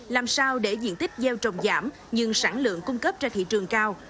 làm sao để diện tích gieo trồng giảm nhưng sản lượng cung cấp ra thị trường cao